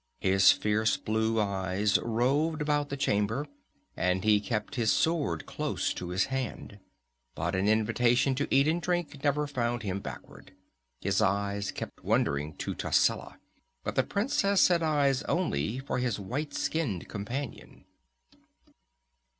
His fierce blue eyes roved about the chamber, and he kept his sword close to his hand. But an invitation to eat and drink never found him backward. His eyes kept wandering to Tascela, but the princess had eyes only for his white skinned companion.